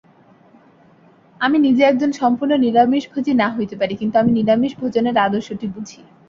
আমি নিজে একজন সম্পূর্ণ নিরামিষভোজী না হইতে পারি, কিন্তু আমি নিরামিষ-ভোজনের আদর্শটি বুঝি।